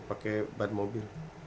pakai ban mobil